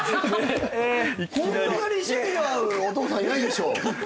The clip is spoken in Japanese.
こんなに趣味が合うお父さんいないでしょ。